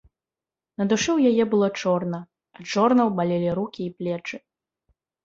На душы ў яе было чорна, ад жорнаў балелі рукі і плечы.